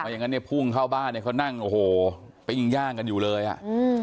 อย่างงั้นเนี่ยพุ่งเข้าบ้านเนี้ยเขานั่งโอ้โหปิ้งย่างกันอยู่เลยอ่ะอืม